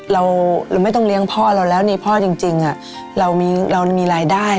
เราไม่ต้องเลี้ยงพ่อเราแล้วนี่พ่อจริงเรามีรายได้